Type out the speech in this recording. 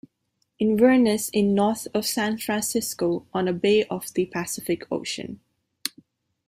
Inverness is north of San Francisco, on a bay of the Pacific Ocean.